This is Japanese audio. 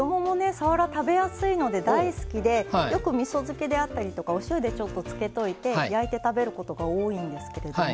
さわら食べやすいので大好きでよくみそ漬けであったりとかお塩でちょっと漬けといて焼いて食べることが多いんですけれども。